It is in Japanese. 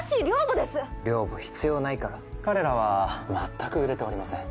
寮母必要ないから・彼らは全く売れておりません・